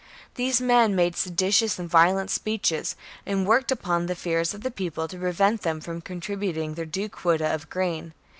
These men made seditious and violent speeches, and worked upon the fears of the people to prevent them from contributing their due quota of grain.